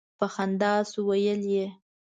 په خندا شو ویل یې.